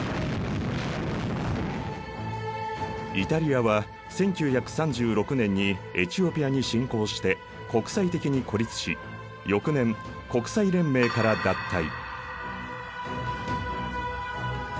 イタリアは１９３６年にエチオピアに侵攻して国際的に孤立し翌年国際連盟から脱退。